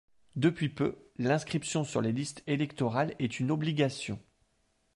Depuis peu, l'inscription sur les listes électorales est une obligation.